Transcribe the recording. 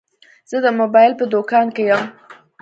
زه د موبایل په دوکان کي یم.